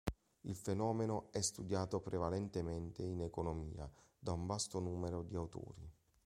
Il fenomeno è studiato prevalentemente in economia da un vasto numero di autori.